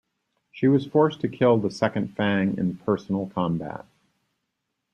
She was forced to kill the second Fang in personal combat.